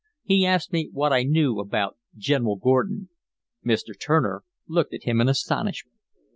He asked me what I knew about General Gordon." Mr. Turner looked at him in astonishment.